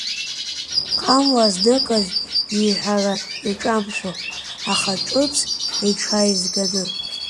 Ҟамла азныказ ииҳәара иҿамшәо, аха ҿыц иҽааизганы.